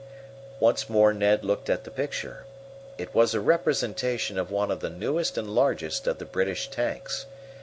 Once more Ned looked at the picture. It was a representation of one of the newest and largest of the British tanks.